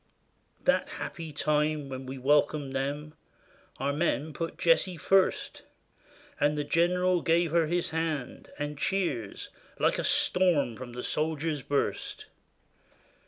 That happy time, when we welcomed them, Our men put Jessie first; 182 THE RELIEF OF LUCKNOW And the general gave her his hand, and cheers Like a storm from the soldiers burst.